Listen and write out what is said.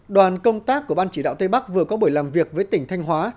đoàn công tác của ban chỉ đạo tây bắc vừa có buổi làm việc với tỉnh thanh hóa